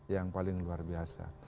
yang paling luar biasa